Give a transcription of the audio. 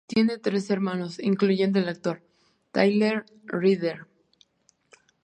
Tiene tres hermanos, incluyendo el actor Tyler Ritter.